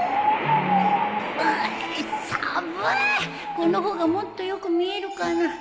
この方がもっとよく見えるかな？